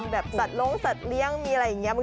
สัตว์ลงสัตว์เลี้ยงมีอะไรอย่างนี้